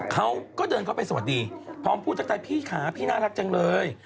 เขาก็เดินเข้าไปสวัสดีพร้อมพูดทักทายพี่ค่ะพี่น่ารักจังเลย